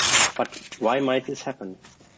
But, why might this happen?